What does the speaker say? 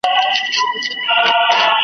د نن پوښتنه مه کوه پر مېنه مي اور بل دی .